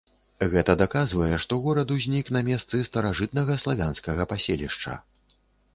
Гэта даказвае, што горад узнік на месцы старажытнага славянскага паселішча.